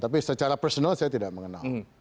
tapi secara personal saya tidak mengenal